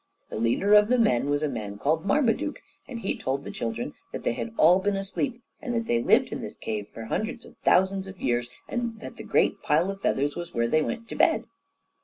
The leader of the men was a man called Marmaduke, and he told the children that they had all been asleep, and that they had lived in this cave for hundreds of thousands of years, and that the great pile of feathers was where they went to bed.